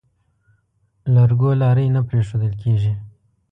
لرګو لارۍ نه پرېښوول کېږي.